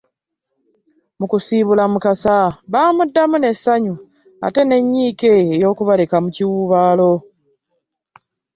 Mukusiibula Mukasa bamuddamu n'essanyu ate n'ennyiike y'okubaleka mu kiwuubaalo!